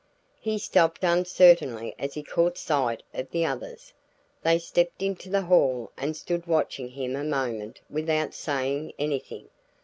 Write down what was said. He stopped uncertainly as he caught sight of the others. They stepped into the hall and stood watching him a moment without saying anything.